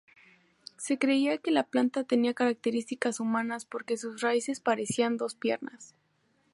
Se creía que la planta tenía características humanas porque sus raíces parecían dos piernas.